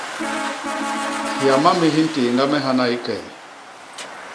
Hyamami hi ntééñga me hana i key.